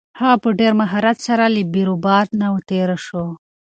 هغه په ډېر مهارت سره له بیروبار نه تېر شو.